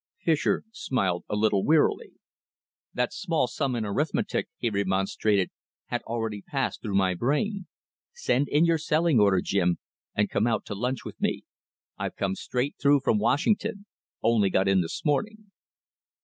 Fischer smiled a little wearily. "That small sum in arithmetic," he remonstrated, "had already passed through my brain. Send in your selling order, Jim, and come out to lunch with me. I've come straight through from Washington only got in this morning."